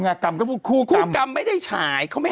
เป็นการกระตุ้นการไหลเวียนของเลือด